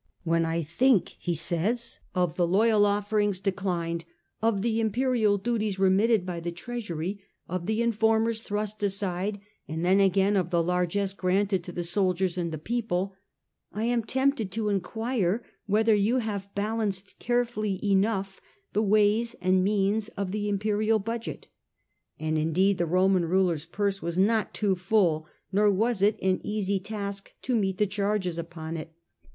' When I think,' he says, ' of the loyal offerings declined, of the imperial dues remitted by the treasury, of the informers thrust aside, and then again of the largess granted to the soldiers and the people, 1 am tempted to enquire whether you have balanced carefully enough the ways and means of the imperial budget.' And indeed the Roman ruler's purse was not too full, nor was it an easy task to meet the calls upon it.